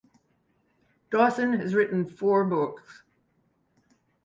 Dawson has written four books.